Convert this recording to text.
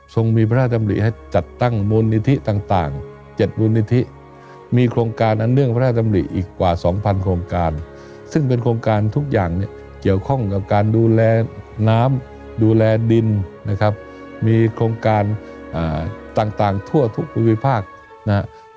มีพระราชดำริให้จัดตั้งมูลนิธิต่าง๗มูลนิธิมีโครงการอันเนื่องพระราชดำริอีกกว่า๒๐๐โครงการซึ่งเป็นโครงการทุกอย่างเนี่ยเกี่ยวข้องกับการดูแลน้ำดูแลดินนะครับมีโครงการต่างทั่วทุกภูมิภาคนะฮะ